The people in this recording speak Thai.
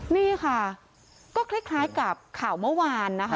นี่ค่ะก็คล้ายกับข่าวเมื่อวานนะคะ